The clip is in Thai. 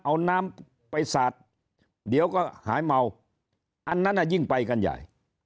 เอาน้ำไปสาดเดี๋ยวก็หายเมาอันนั้นยิ่งไปกันใหญ่